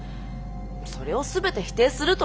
それを全て否定するというのは。